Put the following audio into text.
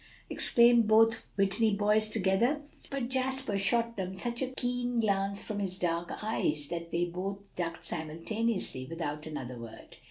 _" exclaimed both Whitney boys together. But Jasper shot them such a keen glance from his dark eyes that they both ducked simultaneously without another word.